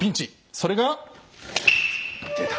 それが出た。